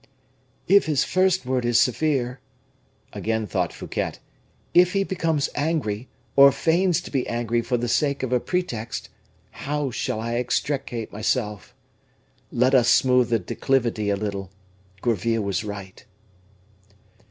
"If his first word is severe," again thought Fouquet; "if he becomes angry, or feigns to be angry for the sake of a pretext, how shall I extricate myself? Let us smooth the declivity a little. Gourville was right."